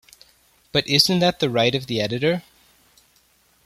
But isn't that the right of the editor?